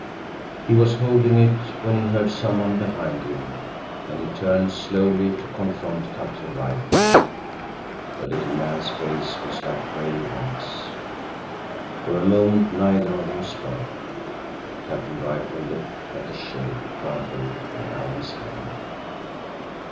He was holding it when he heard someone behind him, and he turned slowly to confront Captain Rifle. The little man's face was like gray wax. For a moment neither of them spoke. Captain Rifle looked at the shoe crumpled in Alan's hand.